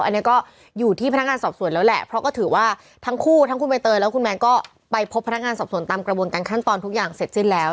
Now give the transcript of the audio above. อันนี้ก็อยู่ที่พนักงานสอบสวนแล้วแหละเพราะก็ถือว่าทั้งคู่ทั้งคุณใบเตยแล้วคุณแมนก็ไปพบพนักงานสอบส่วนตามกระบวนการขั้นตอนทุกอย่างเสร็จสิ้นแล้ว